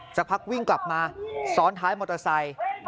สักพักวิ่งกลับมาซ้อนท้ายมอเตอร์ไซค์